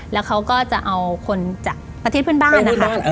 แล้วเขาก็จะเอาคนจากประเทศเพื่อนบ้านนะคะ